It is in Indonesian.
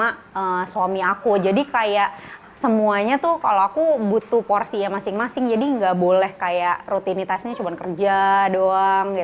jadi aku juga punya suami aku jadi kayak semuanya tuh kalau aku butuh porsi masing masing jadi nggak boleh kayak rutinitasnya cuma kerja doang